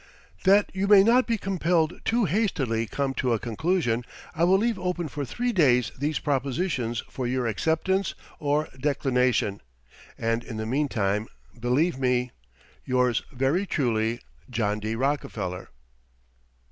That you may not be compelled to hastily come to a conclusion, I will leave open for three days these propositions for your acceptance or declination, and in the meantime believe me, Yours very truly, JOHN D. ROCKEFELLER.